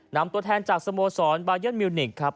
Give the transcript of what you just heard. นำตัวแทนจากสโมสรบายันมิวนิกครับ